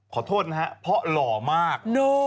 ขอโทษนะฮะเพราะหล่อมาก